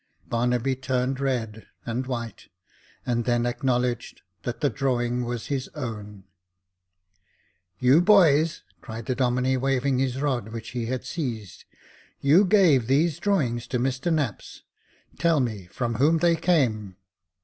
Barnaby turned red and white, and then acknowledged that the drawing was his own. You boys," cried the Domine, waving his rod which he had seized, " you gave these drawings to Mr Knapps ; tell me from whom they came."